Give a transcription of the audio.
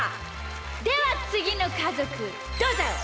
ではつぎのかぞくどうぞ！